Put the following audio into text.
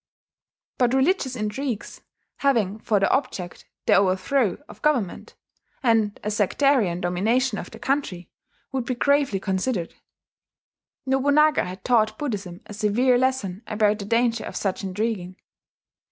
But religious intrigues having for their object the overthrow of government, and a sectarian domination of the country, would be gravely considered. Nobunaga had taught Buddhism a severe lesson about the danger of such intriguing.